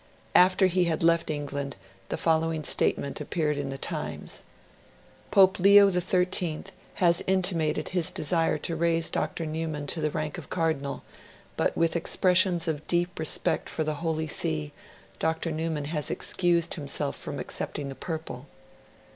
After he had left England, the following statement appeared in "The Times": 'Pope Leo XIII has intimated his desire to raise Dr. Newman to the rank of Cardinal, but with expressions of deep respect for the Holy See, Dr. Newman has excused himself from accepting the Purple.'